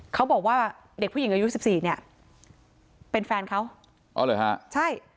เขาบอกว่าเด็กผู้หญิงอายุสิบสี่เนี่ยเป็นแฟนเขาอ๋อเหรอฮะใช่